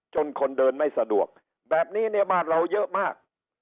คนเดินไม่สะดวกแบบนี้เนี่ยบ้านเราเยอะมาก